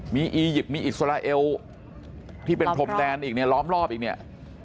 มีอียิปต์มีอิสราเอลที่เป็นพรมแดนอีกเนี่ยล้อมรอบอีกเนี่ย